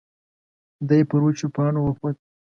دی پر وچو پاڼو وخوت.